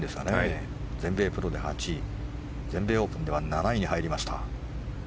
全米プロで８位全英では７位に入りました。